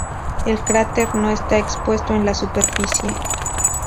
El cráter no está expuesto en la superficie.